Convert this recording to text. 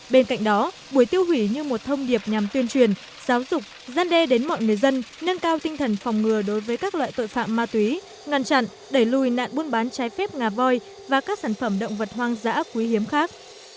bên cạnh đó buổi tiêu hủy như một thông điệp nhằm tuyên truyền giáo dục gian đe đến mọi người dân nâng cao tinh thần phòng ngừa đối với các loại tội phạm ma túy ngăn chặn đẩy lùi nạn buôn bán trái phép ngà voi và các sản phẩm động vật hoang dã quý hiếm khác